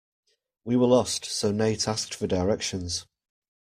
We were lost, so Nate asked for directions.